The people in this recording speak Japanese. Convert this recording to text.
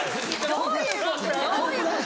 どういうことよ。